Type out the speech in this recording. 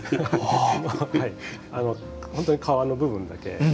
本当に皮の部分だけ。